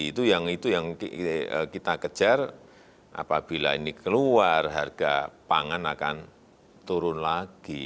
itu yang kita kejar apabila ini keluar harga pangan akan turun lagi